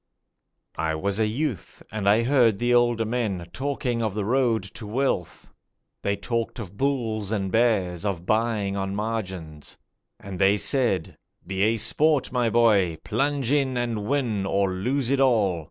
I was a youth, and I heard the older men talking of the road to wealth; They talked of bulls and bears, of buying on margins, And they said, 'Be a sport, my boy, plunge in and win or lose it all!